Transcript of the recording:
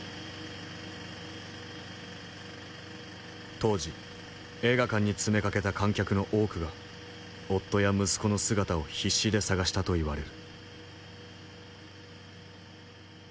当時映画館に詰めかけた観客の多くが夫や息子の姿を必死で探したといわれる。